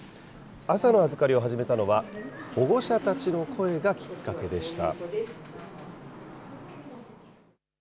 朝の預かりを始めたのは、保護者たちの声がきっかけでした。